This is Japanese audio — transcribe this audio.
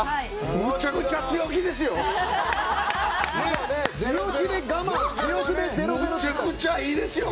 むちゃくちゃ強気ですよ！